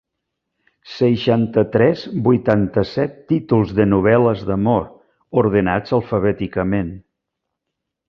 Seixanta-tres vuitanta-set títols de novel·les d'amor, ordenats alfabèticament.